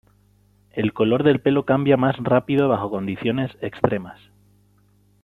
El color del pelo cambia más rápido bajo condiciones extremas.